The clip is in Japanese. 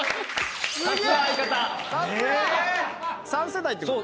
３世代ってこと？